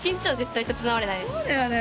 そうだよね。